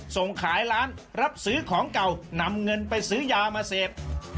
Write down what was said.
ส่งขายร้านรับซื้อของเก่านำเงินไปซื้อยามาเสพ